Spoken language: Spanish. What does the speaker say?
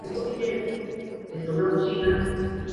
Pero los barcos naufragaron, presumiblemente por una tempestad.